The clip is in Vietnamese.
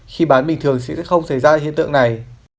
khi bán bình thường sẽ không xảy ra hiện tượng này